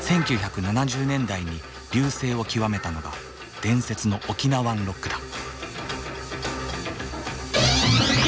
１９７０年代に隆盛を極めたのが伝説のオキナワンロックだ。